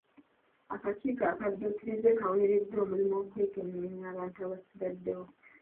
Akakiiko akadduukirize kaweereddwa omulimu okwekenneenya abantu abasigaddewo.